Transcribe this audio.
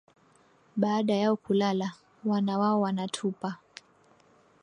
Baada yao kulala, wana wao wanatupa,